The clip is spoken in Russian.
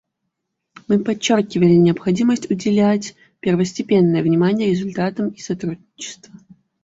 Мы подчеркивали необходимость уделять первостепенное внимание результатам и сотрудничеству.